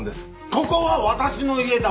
ここは私の家だ！